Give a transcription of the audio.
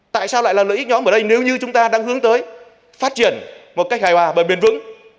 tại sao lại là lợi ích nhóm ở đây nếu như chúng ta đang hướng tới phát triển một cách hài hòa và bền vững